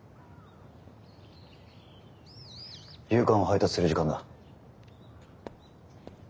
夕刊を配達する時間だ。